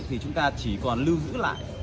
thì chúng ta chỉ còn lưu giữ lại